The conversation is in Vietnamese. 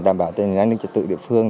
để đảm bảo tình hành linh trật tự địa phương